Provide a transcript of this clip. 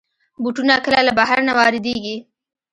بوټونه کله له بهر نه واردېږي.